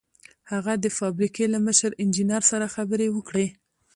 هغه د فابریکې له مشر انجنیر سره خبرې وکړې